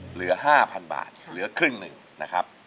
เหลือ๕๐๐๐บาทเหลือครึ่งหนึ่งนะครับ